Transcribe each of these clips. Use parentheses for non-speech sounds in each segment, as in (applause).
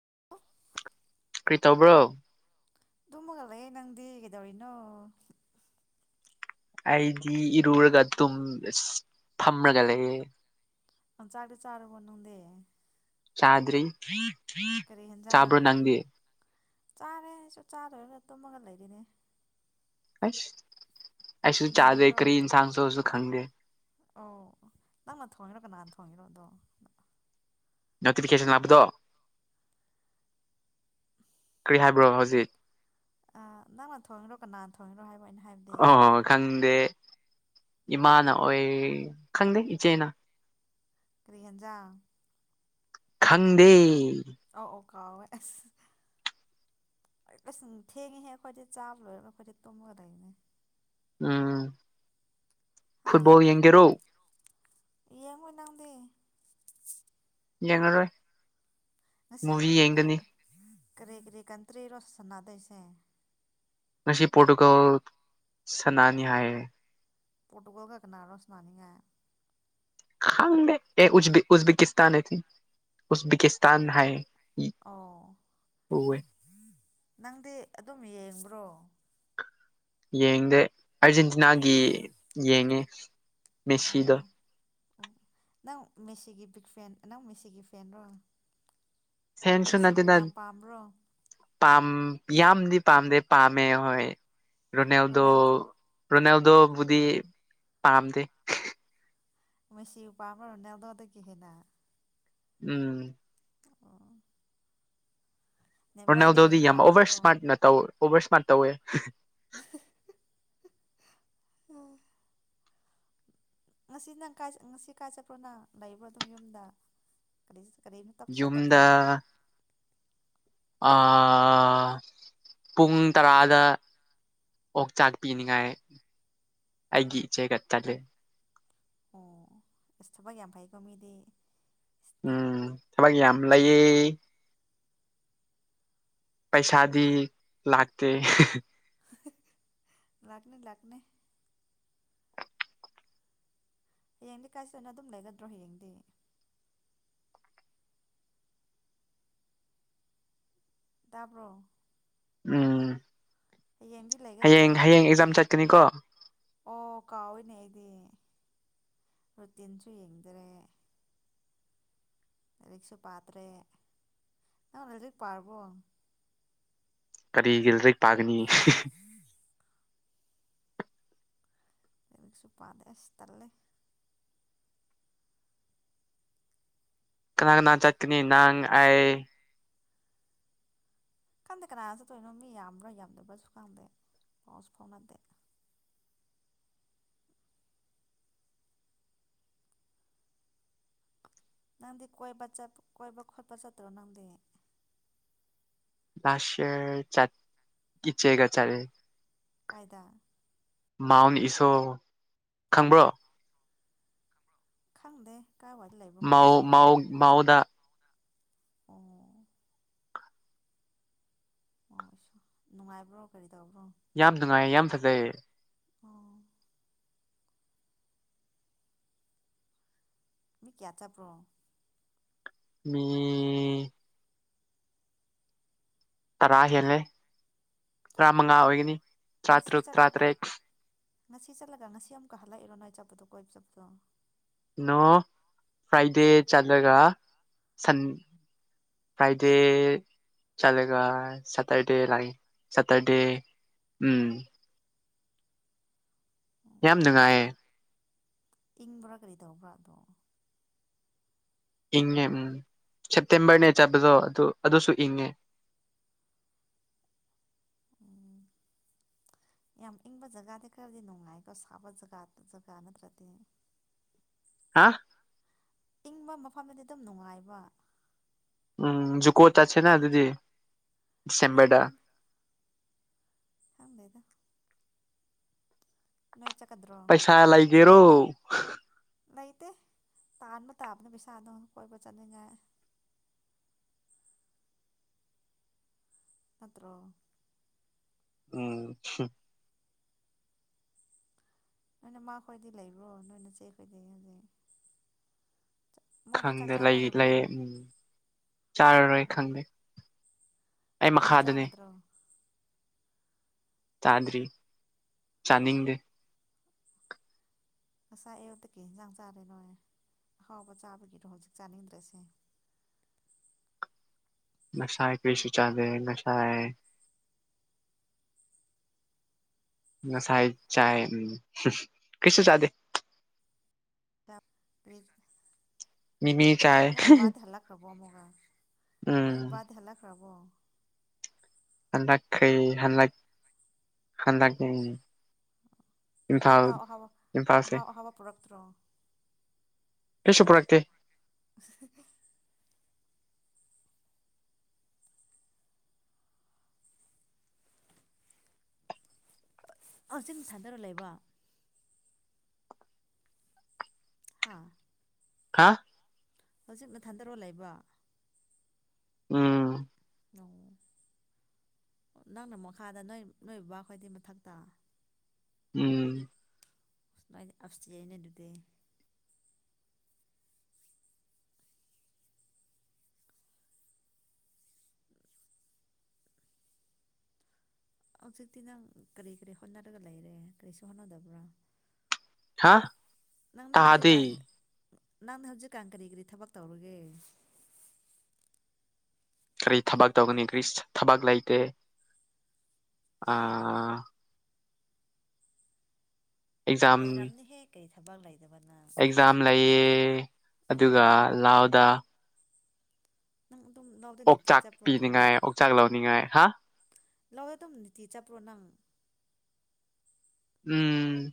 (inaudible) ꯀꯔꯤ ꯇꯧꯕ꯭ꯔꯣ꯫ ꯇꯨꯝꯃꯒ ꯂꯩꯌꯦ ꯅꯪꯗꯤ ꯀꯦꯗꯧꯔꯤꯅꯣ꯫ ꯑꯩꯗꯤ ꯏꯔꯨꯔꯒ ꯇꯨꯝ ꯔꯥ ꯐꯝꯔꯒ ꯂꯩꯌꯦ꯫ ꯆꯥꯛ ꯆꯥꯗꯤ ꯆꯥꯔꯕꯣ ꯅꯪꯗꯤ꯫ ꯆꯥꯗꯔꯤ꯫ ꯀꯔꯤ ꯌꯦꯟꯖꯥꯡ ꯆꯥꯕꯔꯣ ꯅ ꯪꯗꯤ꯫ ꯆꯥꯔꯦ ꯑꯩꯁꯨ ꯆꯥꯗꯣꯏꯔꯒ ꯇꯨꯝꯃꯒ ꯂꯩꯔꯤꯅꯦ꯫ ꯑꯁ꯫ ꯑꯩꯁꯨ ꯆꯥꯗꯦ ꯉꯟꯗ꯭ꯔꯣ ꯀ꯭ꯔꯤꯟ ꯁꯥꯡꯁꯣ ꯁꯨ ꯈꯪꯗꯦ꯫ ꯑꯣ ꯅꯪꯅ ꯊꯣꯡꯉꯤꯔꯣ ꯀꯅꯥꯅ ꯊꯣꯡꯉꯤꯅꯣꯗꯣ ꯅꯣꯇꯤꯐꯤꯀꯦꯁꯟ ꯂꯥꯛꯄꯗꯣ ꯀꯔꯤ ꯍꯥꯏꯕ꯭ꯔꯣ ꯍꯧꯖꯤꯛ ꯑ ꯅꯪꯅ ꯊꯣꯡꯉꯤꯔꯣ ꯀꯅꯥꯅ ꯊꯣꯡꯉꯤꯔꯣ ꯍꯥꯏꯕ ꯑꯩꯅ ꯍꯥꯏꯕꯗꯤ ꯑꯣ ꯈꯪꯗꯦ ꯏꯃꯥꯅ ꯑꯣꯏ ꯈꯪꯗꯦ ꯏꯆꯦꯅ ꯀ꯭ꯔꯤ ꯍꯦꯟꯖꯥꯡ ꯈꯪꯗꯦ ꯑ ꯑꯣ ꯍꯥꯎꯋꯦ ꯑꯁ ꯑꯁ ꯊꯦꯡꯉꯤꯍꯦ ꯑꯈꯣꯏꯗꯤ ꯆꯥꯕ ꯂꯣꯏꯔꯒ ꯑꯈꯣꯏꯗꯤ ꯇꯨꯝꯃꯗꯣꯢꯅꯤ ꯎꯝ ꯍꯥ ꯐꯨꯠꯕꯣꯜ ꯌꯦꯡꯒꯦꯔꯣ ꯌꯦꯡꯉꯣ ꯅꯪꯗꯤ ꯌꯦꯉꯔꯣꯢ ꯉꯁꯤ ꯑ ꯌꯦꯡꯒꯅꯤ ꯀꯔꯤ ꯀꯔꯤ ꯀꯟꯇ꯭ꯔꯤꯔꯣ ꯁꯥꯟꯟꯅꯗꯣꯏꯁꯦ ꯉꯁꯤ ꯄꯣꯔꯇꯨꯒꯜ ꯁꯅꯥꯅꯤ ꯍꯥꯏ ꯄꯣꯇꯨꯒꯜꯒ ꯀꯅꯔꯣ ꯁꯅꯥꯗꯣꯢꯁꯦ ꯈꯪꯗꯦ ꯑꯦ ꯎꯖꯕꯤꯛ ꯎꯖꯕꯤꯀꯤꯇꯥꯟ ꯎꯖꯕꯤꯀꯤꯁꯇꯥꯟ ꯍꯥꯏꯌꯦ ꯑꯣ ꯎꯋꯦ ꯅꯪꯗꯤ ꯑꯗꯨꯝ ꯌꯦꯡꯕ꯭ꯔꯣ ꯌꯦꯡꯗꯦ ꯑꯔꯖꯦꯟꯇꯤꯅꯥꯒꯤ ꯌꯦꯡꯉꯦ ꯃꯦꯁꯤꯗꯣ ꯑꯣ ꯑꯣ ꯅꯪ ꯃꯦꯁꯤꯒꯤ ꯕꯤꯛ ꯐꯦꯟ ꯅꯪ ꯃꯦꯁꯤꯒꯤ ꯐꯦꯟꯔꯣ ꯐꯦꯟꯁꯦ ꯃꯦꯁꯤꯕꯨ ꯅꯠꯇꯦꯗ ꯌꯥꯝ ꯄꯥꯝꯕ꯭ꯔꯣ ꯄꯥꯝ ꯌꯥꯝꯗꯤ ꯄꯥꯝꯗꯦ ꯄꯥꯝꯃꯦ ꯍꯣꯏ ꯔꯣꯅꯦꯜꯗꯣ ꯔꯣꯅꯥꯜꯗꯣ ꯔꯣꯅꯥꯜꯗꯣꯕꯨꯗꯤ ꯄꯥꯝꯗꯦ ꯃꯦꯁꯤ ꯄꯝꯕ꯭ꯔꯣ ꯔꯣꯅꯥꯜꯗꯣꯗꯒꯤ ꯍꯦꯟꯅ ꯎꯝ ꯑꯣ ꯅꯦꯃꯥꯔꯗꯤ ꯔꯣꯅꯥꯜꯗꯣꯗꯤ ꯌꯥꯝ ꯑꯣꯕꯔ ꯄꯥꯝꯗꯕ꯭ꯔꯣ ꯁ꯭ꯃꯥꯔꯠ ꯅ ꯇꯧ ꯑꯣꯕꯔ ꯁ꯭ꯃꯥꯔꯠ ꯇꯧꯋꯦ ꯑꯣ ꯉꯁꯤ ꯅꯪ ꯀꯥꯢ ꯉꯁꯤ ꯀꯥꯏ ꯆꯠꯄ꯭ꯔꯣ ꯅꯪ ꯂꯩꯕ꯭ꯔꯣ ꯑꯗꯨꯝ ꯌꯨꯝꯗ ꯀꯔꯤ ꯀꯔꯤꯝ ꯇꯞ ꯌꯨꯝꯗ ꯆꯠꯇꯕ꯭ꯔꯣ ꯑꯥ ꯄꯨꯡ ꯇꯔꯥꯗ ꯑꯣꯛꯆꯥꯛ ꯄꯤꯅꯤꯡꯉꯥꯏ ꯑꯩꯒꯤ ꯏꯆꯦꯒ ꯆꯠꯂꯦ ꯑꯣ ꯑꯁ ꯊꯕꯛ ꯌꯥꯝ ꯐꯩꯀꯣ ꯃꯤꯗꯤ ꯎꯝ ꯊꯕꯛ ꯌꯥꯝ ꯂꯩꯌꯦ ꯄꯩꯁꯥꯗꯤ ꯂꯥꯛꯇꯦ ꯂꯥꯛꯀꯅꯤ ꯂꯥꯛꯀꯅꯤ ꯍꯌꯦꯡꯗꯤ ꯀꯥꯏꯆꯅ ꯑꯗꯨꯝ ꯂꯩꯒꯗ꯭ꯔꯣ ꯍꯌꯦꯡꯗꯤ ꯇꯕ꯭ꯔꯣ꯫ ꯎꯝ꯫ ꯂꯩꯒꯗ꯭ꯔꯣ ꯍꯌꯦꯡ ꯍꯌꯦꯡ ꯑꯦꯛꯖꯥꯝ ꯆꯠꯀꯅꯤꯀꯣ꯫ ꯑꯣ ꯀꯥꯎꯑꯣꯏꯅꯦ ꯑꯩꯗꯤ ꯔꯨꯇꯤꯟꯁꯨ ꯌꯦꯡꯗꯔꯦ꯫ ꯂꯔꯤꯛꯁꯨ ꯄꯥꯇ꯭ꯔꯦ ꯑ ꯂꯔꯤꯛ ꯄꯥꯔꯕꯣ꯫ ꯀꯔꯤꯒꯤꯜꯗ꯭ꯔ ꯄꯥꯒꯅꯤ꯫ ꯑꯗꯨꯛꯁꯨ ꯄꯥꯗꯦꯁ ꯇꯜꯂꯦ꯫ ꯀꯅꯥ ꯀꯅꯥ ꯆꯠꯀꯅꯤ ꯅꯪ ꯑꯩ꯫ ꯈꯪꯗꯦ ꯀꯅꯥꯅꯁꯨ ꯇꯣꯏꯅꯣ ꯃꯤ ꯌꯥꯝꯕ꯭ꯔꯥ ꯌꯥꯝꯗꯕ꯭ꯔꯥꯁꯨ ꯈꯪꯗꯦ ꯄꯥꯎꯁꯨ ꯐꯥꯎꯅꯗꯦ꯫ ꯅꯪꯗꯤ ꯀꯣꯏꯕ ꯀꯣꯏꯕ ꯈꯣꯠꯄ ꯆꯠꯇ꯭ꯔꯣ ꯅꯪꯗꯤ꯫ ꯂꯁꯦ ꯆꯠ ꯏꯆꯦꯒ ꯆꯠꯌꯦ꯫ ꯀꯥꯏꯗ꯫ ꯃꯥꯎꯟ ꯏꯁꯣ ꯈꯪꯕ꯭ꯔꯣ꯫ ꯈꯪꯗꯦ꯫ ꯀꯥꯏꯋꯥꯏꯗ ꯂꯩꯕ꯭ꯔꯣ ꯃꯥꯎ ꯏꯁꯣꯗꯣ ꯃꯥꯎ ꯃꯥꯎꯗ꯫ ꯑꯣ꯫ ꯍ ꯅꯨꯡꯉꯥꯏꯕ꯭ꯔꯣ ꯀꯔꯤ ꯇꯧꯕ꯭ꯔꯣ꯫ ꯌꯥꯝ ꯅꯨꯡꯉꯥꯏꯌꯦ ꯌꯥꯝ ꯐꯖꯩ꯫ ꯑꯣ꯫ ꯃꯤ ꯀꯌꯥ ꯆꯠꯄ꯭ꯔꯣ꯫ ꯃꯤ꯫ ꯇꯔꯥ ꯍꯦꯜꯂꯦ꯫ ꯇꯔꯥꯃꯉꯥ ꯑꯣꯏꯒꯅꯤ ꯉꯁꯤ ꯇꯔꯥꯇꯔꯨꯛ ꯆꯠꯂꯒ ꯇꯔꯥꯇꯔꯦꯠ꯫ ꯉꯁꯤ ꯆꯠꯂꯒ ꯉꯁꯤ ꯑꯃꯨꯛꯀ ꯍꯜꯂꯛꯏꯔꯣ ꯅꯪ ꯆꯠꯄꯗꯣ ꯀꯣꯏ ꯏꯕ ꯆꯠꯄꯗꯣ꯫ ꯅꯣ ꯐ꯭ꯔꯥꯏꯗꯦ ꯆꯠꯂꯒ ꯁꯟ ꯐ꯭ꯔꯥꯏꯗꯦ ꯆꯠꯂꯒ ꯁꯇꯔꯗꯦ ꯂꯥꯛꯦ ꯁꯇꯔꯗꯦ ꯎꯝ꯫ ꯌꯥꯝ ꯅꯨꯡꯉꯥꯏꯌꯦ꯫ ꯏꯪꯕꯔꯥ ꯀꯔꯤꯗ ꯋꯥꯥꯗ꯫ ꯏꯪꯉꯦ ꯎꯝ ꯁꯦꯞꯇꯦꯝꯕꯔꯅꯦ ꯆꯠꯄꯗꯣ ꯑꯗꯨ ꯑꯗꯨꯁꯨ ꯏꯪꯉꯦ꯫ ꯎꯝ ꯌꯥꯝ ꯏꯪꯕ ꯖꯒꯥꯗꯤ ꯈꯔꯗꯤ ꯅꯨꯡꯉꯥꯏꯀꯣ ꯁꯥꯕ ꯖꯒꯥ ꯖꯒꯥ ꯅꯠꯇ꯭ꯔꯗꯤ꯫ ꯍꯥ꯫ ꯏꯪꯕ ꯃꯐꯝꯗꯗꯤ ꯑꯗꯨꯝ ꯅꯨꯡꯉꯥꯏꯕ꯫ ꯎꯝ ꯖꯨ ꯀꯣꯠ ꯆꯠꯁꯦꯅ ꯑꯗꯨꯤꯗꯤ꯫ ꯗꯤꯁꯦꯝꯗ꯫ ꯍꯥꯞꯕꯣꯏꯗ꯫ (inaudible) ꯄꯩꯁꯥ ꯂꯏꯒꯦꯔꯣ꯫ ꯂꯩꯇꯦ ꯇꯥꯟꯕ ꯇꯥꯕꯅ ꯄꯩꯁꯥꯗꯣ ꯀꯣꯏꯕ ꯆꯠꯅꯤꯡꯉꯥꯏ꯫ ꯅꯠꯇ꯭ꯔꯣ꯫ ꯎꯝ꯫ ꯅꯣꯏꯅ ꯃꯥ ꯈꯣꯏꯗꯤ ꯂꯩꯕ꯭ꯔꯣ ꯅꯣꯏꯅ ꯆꯦ ꯈꯣꯏꯗꯩ ꯍꯧꯖꯤꯛ꯫ ꯃꯣꯏꯗꯤ ꯆꯥꯛ ꯈꯪꯗꯦ ꯂꯩ ꯆꯥꯅꯔꯕꯣ ꯂꯩ ꯎꯝ ꯆꯥꯔꯔꯣꯏ ꯑꯣ ꯈꯪꯗꯦ꯫ ꯑꯩ ꯅꯪꯗꯤ ꯃꯈꯥꯗꯅꯦ ꯆꯥꯒꯗ꯭ꯔꯣ꯫ ꯆꯥꯗ꯭ꯔꯤ ꯆꯥꯅꯤꯡꯗꯦ꯫ ꯉꯁꯥ ꯑꯌꯨꯛꯇꯀꯤ ꯏꯟꯁꯥꯡ ꯆꯥꯔꯦꯅꯣ ꯑꯍꯥꯎꯕ ꯆꯥꯕꯒꯤꯗꯣ ꯍꯧꯖꯤꯛ ꯆꯥꯅꯤꯡꯗ꯭ꯔꯁꯦ ꯅꯁꯥ ꯀꯔꯤꯁꯨꯨ ꯆꯥꯗ ꯅꯁꯥ ꯉꯁꯥꯏ ꯆꯥꯏ ꯎꯝ ꯀꯤꯁꯁꯨ ꯆꯥꯗꯦ ꯆꯔꯤ ꯃꯤꯃꯤ ꯆꯥꯏ ꯑ ꯙ ꯍꯂꯥ ꯈ꯭ꯔꯕ ꯑꯃꯒ ꯎꯝ ꯗ ꯍꯂꯥ ꯈꯔꯕ ꯑꯗꯣ ꯍꯗꯈꯩ ꯍꯥꯟꯂ ꯍꯥꯟꯗ ꯍꯥꯎꯍꯕ ꯍꯥꯎ ꯑꯍꯕ ꯄꯔꯛꯛꯇ꯭ꯔꯣ ꯑꯦꯁꯨꯣ ꯄ꯭ꯔꯥꯥꯛꯇ ꯁ ꯍꯧꯖꯤꯤꯡ ꯁꯥꯟꯗꯔ ꯂꯩꯕ ꯍꯥꯥ ꯍꯥ ꯍꯧꯖꯤꯛ ꯃꯊꯟꯗꯔꯣ ꯂꯩꯕ ꯎꯝ ꯑꯣ ꯅꯪꯅ ꯃꯈꯥꯗ ꯅꯣꯏ ꯅꯣꯏ ꯕꯥꯈꯣꯏꯗꯤ ꯃꯊꯛꯇ ꯎꯝ ꯃꯥꯏ ꯑꯞꯇ ꯌꯥꯏꯅ ꯑꯗꯨꯗ ꯍꯧꯖꯤꯛꯇꯤ ꯅꯪ ꯀꯔꯤ ꯀꯔꯤ ꯍꯣꯠꯅꯔꯒ ꯂꯩꯔꯦ ꯀꯔꯤꯁꯨ ꯍꯣꯠꯅꯗꯕ꯭ꯔꯥ ꯍꯥ ꯇꯍꯗꯤ ꯅꯪꯅ ꯍꯧꯖꯤꯛꯀꯥꯟ ꯀꯔꯤ ꯀꯔꯤ ꯊꯕꯛ ꯇꯧꯔꯒꯦ ꯀꯔꯤ ꯊꯕꯛ ꯇꯧꯒꯅꯤ ꯒ꯭ꯔꯤꯁ ꯊꯕꯛ ꯂꯩꯇꯦ ꯑꯥ ꯑꯦꯛꯖꯥꯝ ꯂꯩꯔꯝꯅꯤ ꯍꯦ ꯀꯩ ꯊꯕꯥꯡ ꯂꯥꯏ ꯑꯦꯛꯖꯥꯝ ꯂꯩꯌꯦ ꯑꯗꯨꯒ ꯑꯣ ꯂꯑꯣꯗ ꯎꯝ ꯑꯣꯛꯆꯥꯛ ꯄꯤꯅꯤꯡꯉꯥꯏ ꯑꯣꯛꯆꯥꯛ ꯂꯧꯅꯤꯡꯉꯥꯏ ꯍꯥ ꯂꯧꯒ ꯇꯧꯅꯤꯇꯤꯆ ꯄꯣꯅꯥꯝ ꯎꯝ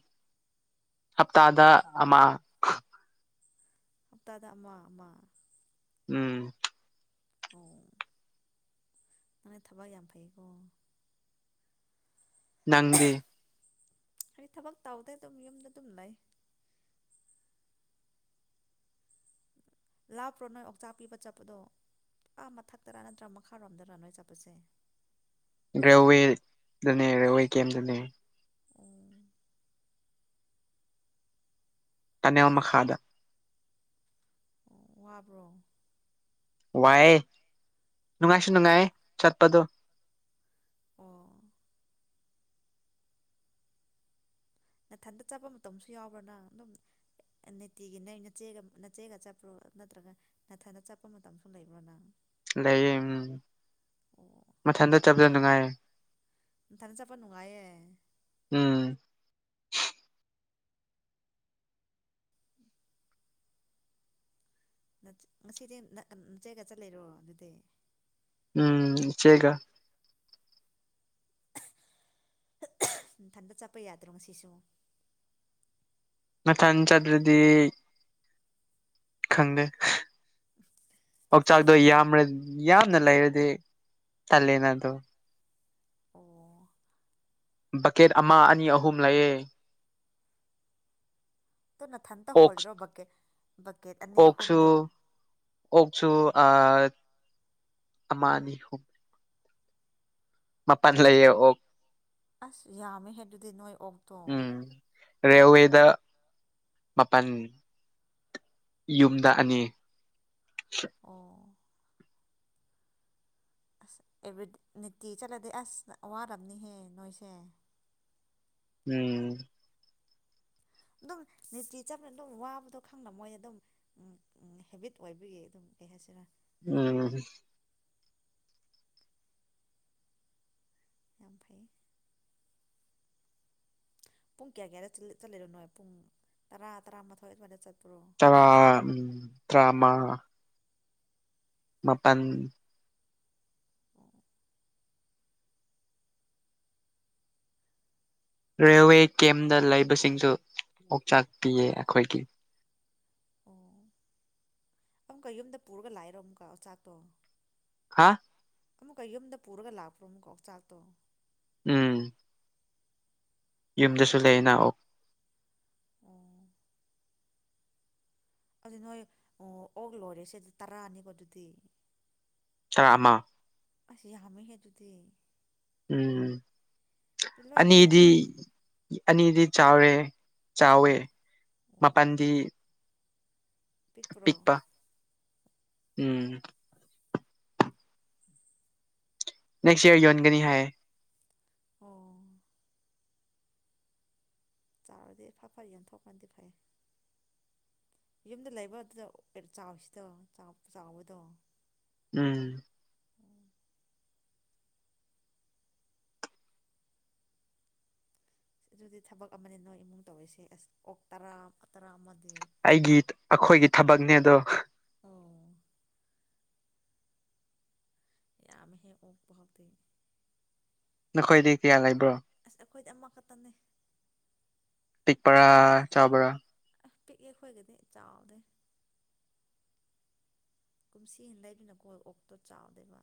ꯍꯞꯇꯥꯗ ꯑꯃ ꯍꯞꯇꯥꯗ ꯑꯃ ꯑꯃ ꯎꯝ ꯑꯣ ꯅꯅ ꯊꯕꯛ ꯌꯥꯝ ꯐꯩꯀꯣ ꯅꯪꯗꯤ ꯍꯥꯏꯗꯤ ꯊꯕꯛ ꯇꯧꯕꯗ ꯑꯗꯨꯝ ꯌꯨꯝꯗ ꯑꯗꯨꯝ ꯂꯩ ꯂꯥꯞꯄ꯭ꯔꯣ ꯅꯣꯏ ꯑꯣꯛꯆꯥꯛ ꯄꯤꯕ ꯆꯠꯄꯗꯣ ꯄꯨꯥ ꯃꯊꯛꯇꯔ ꯅꯠꯇ꯭ꯔꯥ ꯃꯈꯥꯔꯣꯝꯗꯔ ꯅꯣꯏ ꯆꯠꯄꯁꯦ ꯔꯦꯜꯋꯦꯗꯅꯦ ꯔꯦꯜꯋꯦ ꯀꯦꯝꯗꯅꯦ ꯑꯣ ꯇꯅꯦꯋꯥ ꯃꯈ ꯃꯈꯥꯗ ꯑꯣ ꯋꯥꯕ꯭ꯔꯣ ꯋꯥꯏꯦ ꯅꯨꯡꯉꯥꯏꯁꯨ ꯅꯨꯡꯉꯥꯏꯌꯦ ꯆꯠꯄꯗꯣ ꯑꯣ ꯅꯥꯊꯟꯗ ꯆꯠꯄ ꯃꯇꯝꯁꯨ ꯌꯥꯎꯕ꯭ꯔꯥ ꯅꯪ ꯑꯗꯨꯝ ꯅꯤꯇꯤꯒꯤ ꯅꯒ ꯅꯆꯦꯒ ꯆꯠꯄ꯭ꯔꯣ ꯅꯠꯇ꯭ꯔꯒ ꯅꯥꯊꯟꯗ ꯆꯠꯄ ꯃꯇꯝꯁꯨ ꯂꯩꯕ꯭ꯔꯣ ꯅꯪ ꯂꯩꯌꯦ ꯎꯝ ꯑꯣ ꯃꯊꯟꯗ ꯆꯕꯗ ꯅꯨꯡꯉꯥꯏꯌꯦ ꯇꯅꯤ ꯆꯄ ꯅꯨꯅꯨꯡ ꯉꯥꯏꯦ ꯎꯝ ꯉꯁꯤꯗꯤ ꯅꯆꯦꯒ ꯆꯠ ꯂꯩꯔꯣ ꯑꯗꯨꯗꯤ ꯎꯝ ꯁꯦꯒ ꯏꯊꯟꯗ ꯆꯠꯄ ꯌꯥꯗ꯭ꯔꯣ ꯉꯁꯤꯁꯨ ꯃꯊꯪ ꯆꯠꯇ꯭ꯔꯗꯤ ꯈꯪꯗꯦ ꯑꯣ ꯆꯥꯛꯗ ꯀꯔꯤ ꯑ ꯌꯥꯝꯅ ꯂꯩꯔꯨꯗꯤ ꯇꯂꯦꯟꯗꯣ ꯑꯣ ꯕꯛꯀꯦꯠ ꯑꯃ ꯑꯅꯤ ꯑꯍꯨꯝ ꯂꯩꯌꯦꯦ ꯑꯗꯨꯣ ꯅꯊꯟꯇ ꯑꯣꯛꯁ ꯍꯣꯜꯂꯤꯔꯣ ꯕꯛꯀꯦꯠ ꯕꯛꯀꯦꯠ ꯑꯅꯤ ꯑꯍꯨꯝꯗꯣ ꯑ ꯑꯃ ꯑꯅꯤ ꯍꯨꯝ ꯃꯄꯥꯟꯥꯟ ꯂꯩꯌꯦ ꯑꯣ ꯑꯁ ꯌꯥꯝꯃꯦꯍ ꯑꯗꯨꯗꯤ ꯅꯣꯏ ꯑꯣꯛꯇꯣꯡ ꯎꯝ ꯔꯦꯜꯋꯦꯗ ꯃꯥꯄꯜ ꯌꯨꯝꯗ ꯑꯅꯤ ꯑꯣ ꯑꯁ ꯑꯦꯕ꯭ꯔꯤ ꯅꯤꯇꯤ ꯆꯠꯂꯗꯤ ꯑꯁ ꯋꯥꯔꯕꯅꯤꯍꯦ ꯅꯣꯏꯁꯦ ꯎꯝ ꯑꯗꯨꯝ ꯅꯤꯇꯤ ꯆꯥꯅ ꯑꯗꯨꯝ ꯋꯥꯕꯗꯣ ꯈꯪꯅ ꯃꯣꯏꯅ ꯑꯗꯨꯝ ꯍꯦꯕꯤꯠ ꯑꯣꯏꯕꯒꯤ ꯑꯗꯨꯝ ꯀꯩ ꯍꯥꯏꯁꯤꯔꯥ ꯎꯝ ꯉꯝ ꯐꯩ ꯄꯨꯡ ꯀꯌꯥ ꯀꯌꯥꯗ ꯆꯠꯂꯤꯔꯣꯅꯣ ꯄꯨꯡ ꯇꯔꯥ ꯇꯔꯥꯃꯊꯣꯏ ꯑꯗꯨꯋꯥꯏꯗ ꯆꯠꯄ꯭ꯔꯣ ꯇꯔ ꯎꯝ ꯗ꯭ꯔꯃꯥ ꯃꯥꯄꯜ ꯑꯣ ꯔꯦꯜꯋꯦ ꯀꯦꯝꯗ ꯂꯩꯕꯁꯤꯡꯁꯨ ꯑꯣꯛꯆꯥꯛ ꯄꯤꯌꯦ ꯑꯩꯈꯣꯏꯒꯤ ꯑꯣ ꯑꯃꯨꯛꯀ ꯌꯨꯝꯗ ꯄꯨꯔꯒ ꯂꯥꯛꯔꯣ ꯑꯃꯨꯛꯀ ꯆꯥꯛꯇꯣ ꯍꯥꯥ ꯑꯃꯨꯛꯀ ꯌꯨꯝꯗ ꯄꯨꯔꯒ ꯂꯥꯛꯄ꯭ꯔꯣ ꯑꯃꯨꯛꯀꯣ ꯆꯥꯛꯇꯣ ꯎꯝ ꯌꯨꯝꯗꯁꯨ ꯂꯩꯌꯦꯅ ꯑꯣ ꯑꯣ ꯑꯗꯨ ꯅꯣꯏ ꯑꯣꯛ ꯂꯣꯏꯔꯦ ꯁꯤꯦꯗ ꯇꯔꯥꯅꯤꯕ ꯑꯗꯨꯗꯤ ꯇꯔꯥ ꯑꯃ ꯑꯁ ꯌꯥꯝ ꯍꯦꯗꯨꯗꯤ ꯎꯝ ꯂꯣꯏ ꯑꯅꯤꯗꯤ ꯆꯥꯎꯔꯝꯅꯤ ꯑꯅꯤꯗꯤ ꯆꯔ ꯑꯣ ꯆꯥꯎꯋꯦ ꯃꯄꯜꯗꯤ ꯄꯤꯄ꯭ꯔꯣ ꯄꯤꯛꯄ ꯎꯝ ꯅꯦꯛꯁ ꯏꯌꯔ ꯌꯣꯟꯒꯅꯤ ꯍꯥꯏ ꯑꯣ ꯆꯥꯔꯗꯤ ꯐ ꯐ ꯌꯟꯊꯣꯛꯄꯗꯤ ꯐꯩ ꯌꯨꯝꯗ ꯂꯩꯕ ꯑꯗꯨꯗ ꯆꯥꯎꯁꯤꯗꯣ ꯆꯥꯎꯕꯗꯣ ꯎꯝ ꯑꯗꯨꯗꯤ ꯊꯕꯛ ꯑꯃꯅꯤ ꯅꯣꯏ ꯏꯃꯨꯡ ꯇꯧꯔꯤꯁꯦ ꯑꯁ ꯑꯣꯛ ꯇꯔꯥ ꯇꯔꯥ ꯑꯃꯗꯤ ꯑꯩꯒꯤ ꯑꯩꯈꯣꯏꯒꯤ ꯊꯕꯛꯅꯦ ꯑꯗꯣ ꯑꯣ ꯌꯥꯃꯦꯍꯤ ꯑꯣꯛꯐꯗꯤ ꯈꯣꯏꯗꯤ ꯀꯌꯥ ꯂꯩ ꯀ꯭ꯔ ꯑꯩꯈꯣꯏꯠ ꯑꯃ ꯈꯛꯇꯅꯦ ꯇꯤꯛꯄꯔꯥ ꯆꯥꯕꯔꯥ ꯄꯤꯛꯑꯦ ꯑꯩꯈꯣꯏꯒꯤꯗꯤ ꯆꯥꯎꯗꯦ ꯀꯨꯝꯁꯤ ꯂꯩꯗꯅꯀꯣ ꯑꯣꯛꯇꯣ ꯆꯥꯎꯗꯣꯏꯕ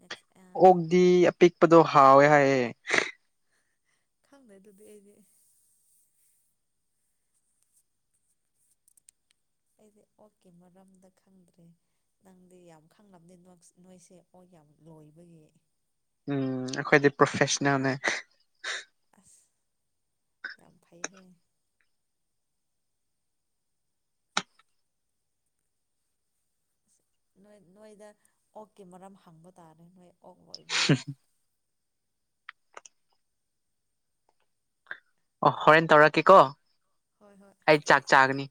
ꯅꯦꯛꯁ ꯑꯣꯛꯗꯤꯤ ꯑꯄꯤꯛꯄꯗꯣ ꯍꯥꯎꯋꯦ ꯍꯥꯏꯑꯦ ꯈꯪꯗꯦ ꯑꯗꯨꯗꯤ ꯑꯩꯗꯤ ꯑꯩꯗꯤ ꯑꯣꯛꯀꯤ ꯃꯔꯝꯗ ꯈꯪꯗ꯭ꯔꯦ ꯅꯪꯗꯤ ꯌꯥꯝ ꯈꯪꯕꯅꯤ ꯅꯣꯏꯁꯦ ꯑꯣꯛ ꯌꯥꯝ ꯂꯣꯏꯕꯒꯤ ꯎꯝ ꯑꯩꯈꯣꯏꯗꯤ ꯄ꯭ꯔꯣꯐꯦꯁꯅꯦꯜꯅꯦ ꯑꯁ ꯌꯥꯝ ꯐꯩꯍꯦ ꯑꯁ ꯅꯣꯏ ꯅꯣꯏꯗ ꯑꯣꯛꯀꯤ ꯃꯔꯝ ꯍꯪꯕ ꯇꯥꯔꯦ ꯅꯣꯏ ꯑꯣꯛ ꯂꯣꯏꯕꯒꯤ ꯑ ꯑꯣ ꯍꯣꯔꯦꯟ ꯇꯧꯔꯥ ꯀꯦ ꯀꯣ ꯍꯣꯏ ꯍꯣꯏ ꯑꯩ ꯆꯥꯛ ꯆꯥꯒꯅꯤ